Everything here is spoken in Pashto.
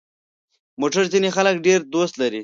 موټر ځینې خلک ډېر دوست لري.